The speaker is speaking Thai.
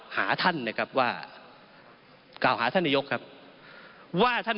หาท่านนะครับว่า